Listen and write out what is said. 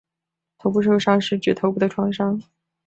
头部受伤是指头部的创伤。